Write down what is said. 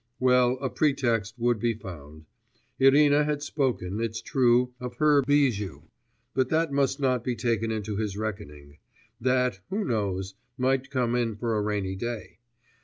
Well, a pretext would be found. Irina had spoken, it's true, of her bijoux, but that must not be taken into his reckoning; that, who knows, might come in for a rainy day.